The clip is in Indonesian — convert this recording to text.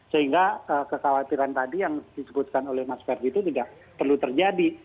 sehingga kekhawatiran tadi yang disebutkan oleh mas ferdi itu tidak perlu terjadi